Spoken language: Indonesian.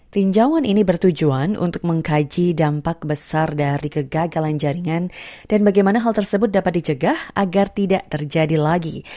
tinjauan ini bertujuan untuk mengkaji dampak besar dari kegagalan jaringan dan bagaimana hal tersebut dapat dicegah agar tidak terjadi lagi